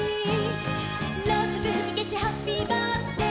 「ローソクふきけしハッピーバースデー」